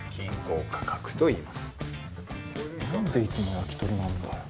なんでいつも焼き鳥なんだよ。